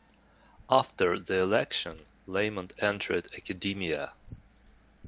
After the election, Lamont entered academia.